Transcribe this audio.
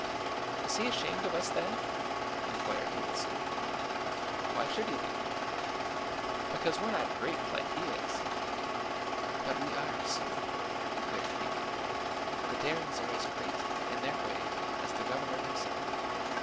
"Is he ashamed of us, then?" inquired little Sue. "Why should he be?" "Because we're not great, like he is." "But we are, Sue," declared Phoebe. "The Darings are as great, in their way, as the governor himself.